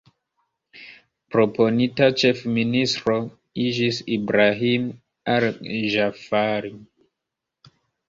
Proponita ĉefministro iĝis Ibrahim al-Ĝaafari.